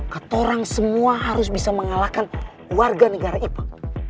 ketoran semua harus bisa mengalahkan warga negara ips